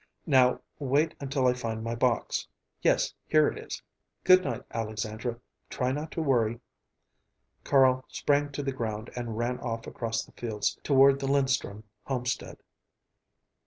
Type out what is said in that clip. "Now, wait until I find my box. Yes, here it is. Good night, Alexandra. Try not to worry." Carl sprang to the ground and ran off across the fields toward the Linstrum homestead.